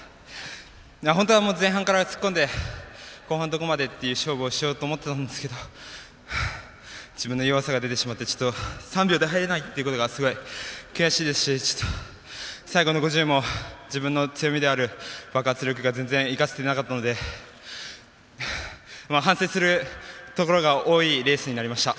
本当は前半から突っ込んで後半、どこで勝負しようと思っていたんですけど自分の弱さが出てしまって３秒で入れないことが悔しいですし最後の５０ｍも自分の強みである爆発力が全然生かせてなかったので反省するところが多いレースになりました。